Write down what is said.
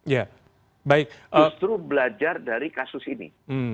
justru belajar dari kasus ini